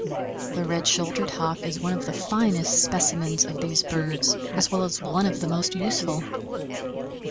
The Red shouldered Hawk is one of the finest specimens of these birds, as well as one of the most useful.